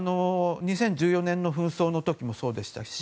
２０１４年の紛争の時もそうでしたし